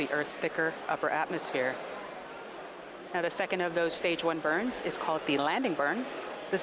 ini adalah penyakit penarik yang hanya menghasilkan satu mesin yaitu mesin pusat e sembilan